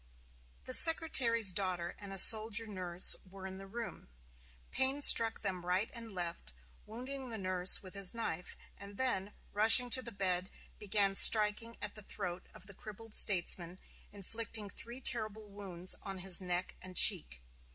The Secretary's daughter and a soldier nurse were in the room. Payne struck them right and left, wounding the nurse with his knife, and then, rushing to the bed, began striking at the throat of the crippled statesman, inflicting three terrible wounds on his neck and cheek.